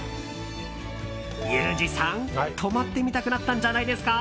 ユージさん、泊まってみたくなったんじゃないですか？